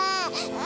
harus saja sayang